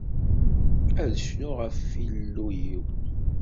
Ad cnuɣ ɣef Yillu-iw.